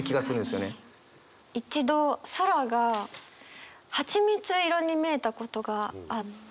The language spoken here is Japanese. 一度空がハチミツ色に見えたことがあって。